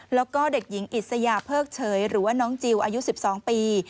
แล้วก็เด็กหญิงอิสยาเพิกเฉยหรือว่าน้องจิลอายุ๑๒ปี